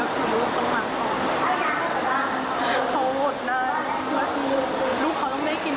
ส่งกันทุกเดือนทุกอาทิตย์